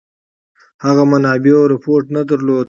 هغو منابعو رپوټ نه درلوده.